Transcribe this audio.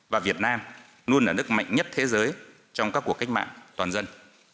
và việt nam luôn là nước mạnh nhất thế giới trong các cuộc cách mạng toàn dân